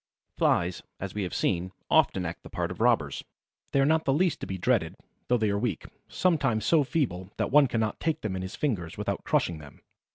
Flies, as we have seen, often act the part of robbers. They are not the least to be dreaded, though they are weak, sometimes so feeble that one cannot take them in his fingers without crushing them.